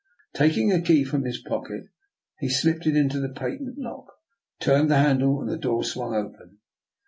Taking a key from his pocket, he slipped it into the patent lock, turned the handle, and the door swung open.